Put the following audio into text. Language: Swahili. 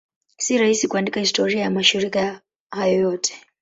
Si rahisi kuandika historia ya mashirika hayo yote.